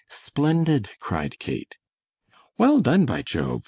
"Splendid!" cried Kate. "Well done, by Jove!"